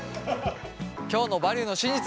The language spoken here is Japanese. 今日の「バリューの真実」